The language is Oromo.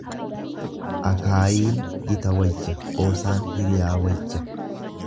Akaayiin gita wayya qoosaan hiriyaa wayya.